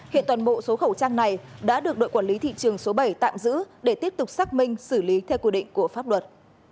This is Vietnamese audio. hiện toàn bộ số khẩu trang này đã được đội quản lý thị trường số bảy tạm giữ để tiếp tục xác minh xử lý theo quy định của pháp luật